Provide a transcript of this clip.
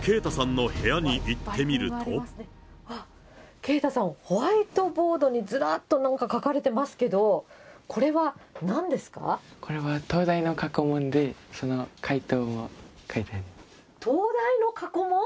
圭太さん、ホワイトボードにずらっとなんか書かれてますけど、これはなんでこれは東大の過去問で、東大の過去問？